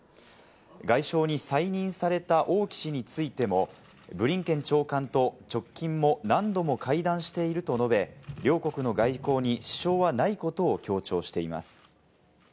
外相に再任されたオウ・キ氏についても、ブリンケン長官と直近も何度も会談していると述べ、両国の外交に支障はないことを強調しています。